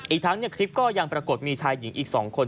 อีกทั้งคลิปก็ยังปรากฏมีชายหญิงอีก๒คน